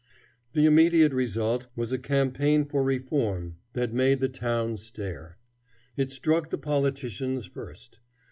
The immediate result was a campaign for reform that made the town stare. It struck the politicians first.